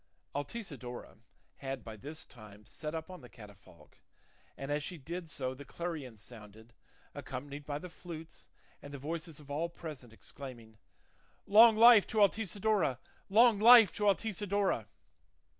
Altisidora had by this time sat up on the catafalque, and as she did so the clarions sounded, accompanied by the flutes, and the voices of all present exclaiming, "Long life to Altisidora! long life to Altisidora!"